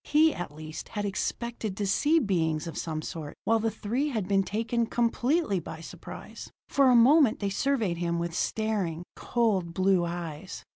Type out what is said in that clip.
He, at least, had expected to see beings of some sort, while the three had been taken completely by surprise. For a moment they surveyed him with staring, cold blue eyes.